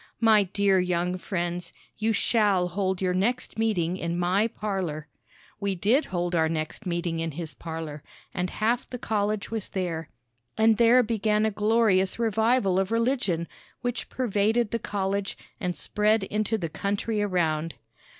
My dear young friends, you shall hold your next meeting in my parlor." We did hold our next meeting in his parlor, and half the college was there. And there began a glorious revival of religion, which pervaded the college, and spread into the country around.